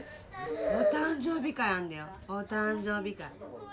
お誕生日会あんだよお誕生日会。